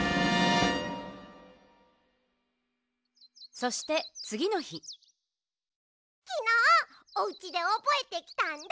そしてつぎのひきのうおうちでおぼえてきたんだ！